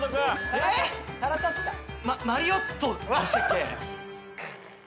えっ！？